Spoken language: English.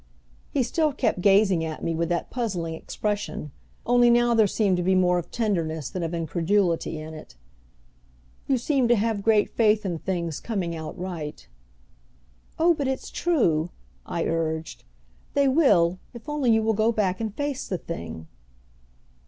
He still kept gazing at me with that puzzling expression, only now there seemed to be more of tenderness than of incredulity in it. "You seem to have great faith in things coming out right." "Oh, but it's true," I urged. "They will, if only you will go back and face the thing."